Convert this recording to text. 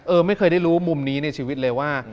ไม่เคยได้รู้มุมนี้ในชีวิตเลยว่า